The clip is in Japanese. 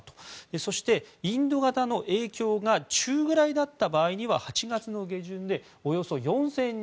そしてインド型の影響が中ぐらいだった場合は８月の下旬でおよそ４０００人